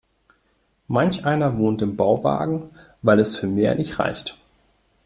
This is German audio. Manch einer wohnt im Bauwagen, weil es für mehr nicht reicht.